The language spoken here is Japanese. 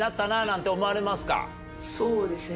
そうですね。